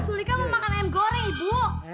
sulitnya mau makan ayam goreng bu